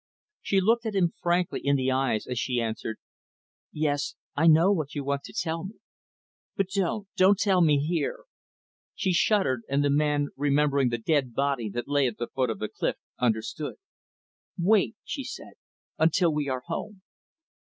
She looked him frankly in the eyes as she answered, "Yes, I know what you want to tell me. But don't, don't tell me here." She shuddered, and the man remembering the dead body that lay at the foot of the cliff, understood. "Wait," she said, "until we are home."